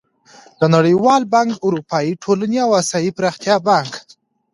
د نړېوال بانک، اروپايي ټولنې او اسيايي پرمختيايي بانک